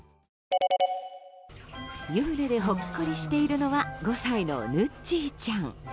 湯船で、ほっこりしているのは５歳のヌッチーちゃん。